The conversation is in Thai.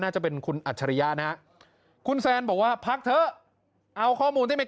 น่าจะเป็นคุณอัจฉริยะนะคุณแซนบอกว่าพักเถอะเอาข้อมูลที่ไม่